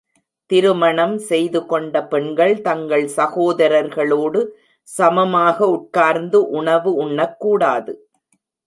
திருமணம் செய்துகொண்ட பெண்கள் தங்கள் சகோதரர்களோடு சமமாக உட்கார்ந்து உணவு உண்ணக்கூடாது.